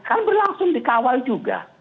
kan berlangsung dikawal juga